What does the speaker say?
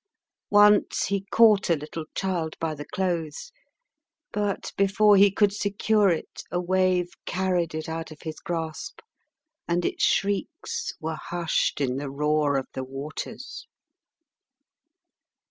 Once he caught a little child by the clothes; but before he could secure it a wave carried it out of his grasp, and its shrieks were hushed in the roar of the waters.